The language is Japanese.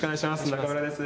中村です。